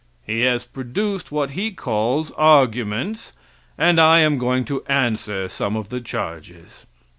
He has produced what he calls arguments, and I am going to answer some of the charges.